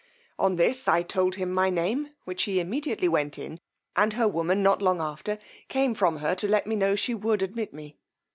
On this I told him my name, which he immediately sent in; and her woman not long after came from her to let me know she would admit me.